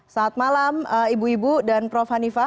selamat malam ibu ibu dan prof hanifa